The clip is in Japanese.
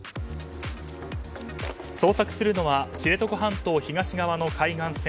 捜索するのは知床半島東側の海岸線